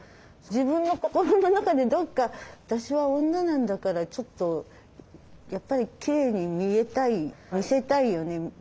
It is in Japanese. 自分の心の中でどっか「私は女なんだからちょっとやっぱりきれいに見えたい見せたいよね